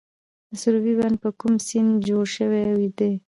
د سروبي بند په کوم سیند جوړ شوی دی؟